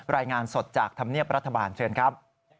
รายงานสดจากธรรมเนียบรัฐบาลเชิญครับ